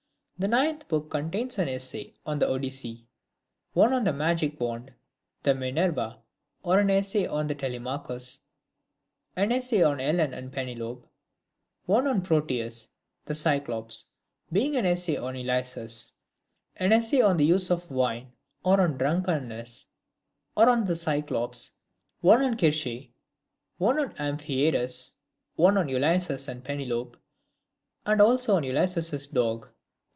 The ninth book contains an essay on the Odyssey ; one on the Magic Wand ; the Minerva, or an essay on Telemachus ; an essay on Helen and Penelope ; one 011 Proteus ; the Cyclops, being an essay on Ulysses ; an essay on the Use of Wine, or on Drunkenness, or on the Cyclops; one on Circe ; one on Amphiaraus ; one on Ulysses and Penelope, and also on Ulysses' Dog.